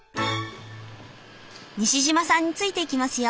西島さんについていきますよ。